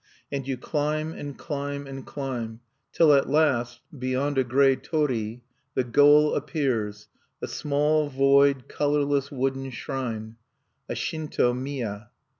And you climb and climb and climb, till at last, beyond a gray torii, the goal appears: a small, void, colorless wooden shrine, a Shinto miya.